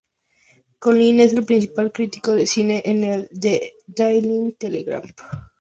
Collin es el principal crítico de cine en el "The Daily Telegraph".